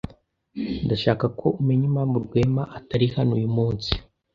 Ndashaka ko umenya impamvu Rwema atari hano uyu munsi.